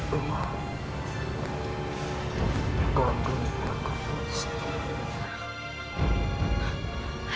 bapak bondowoso selalu